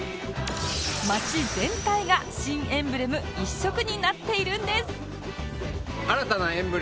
街全体が新エンブレム一色になっているんです